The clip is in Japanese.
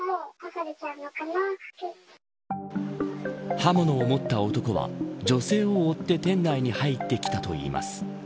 刃物を持った男は女性を追って店内に入ってきたといいます。